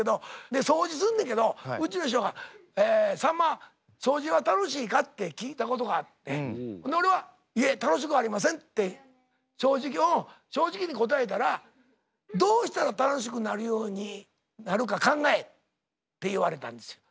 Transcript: で掃除すんねんけどうちの師匠が「さんま掃除は楽しいか？」って聞いたことがあって俺は「いえ楽しくありません」ってうん正直に答えたら「どうしたら楽しくなるようになるか考え」って言われたんですよ。